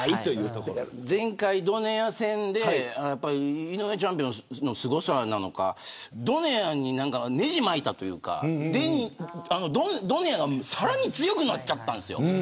前回、ドネア戦で井上チャンピオンのすごさなのかドネアにねじ巻いたというかドネアがさらに強くなっちゃったんです。